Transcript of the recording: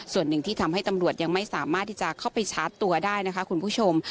ส่วนหนึ่งที่ทำให้ตำรวจยังไม่สามารถที่จะเข้าไปชาร์จตัวได้นะคะคุณผู้ชม